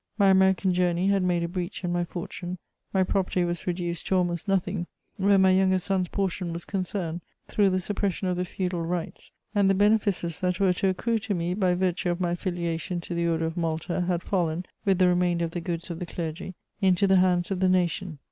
My American journey had made a breach in my fortune; my property was reduced to almost nothing, where my younger son's portion was concerned, through the suppression of the feudal rights; and the benefices that were to accrue to me by virtue of my affiliation to the Order of Malta had fallen, with the remainder of the goods of the clergy, into the hands of the nation.